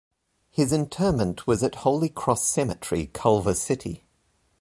His interment was at Holy Cross Cemetery, Culver City.